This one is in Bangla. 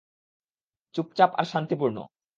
চুপচাপ আর শান্তিপূর্ণ।